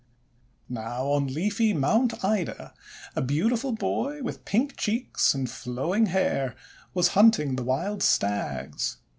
Now on leafy Mount Ida, a beautiful boy with pink cheeks and flowing hair was hunting the wild Stags.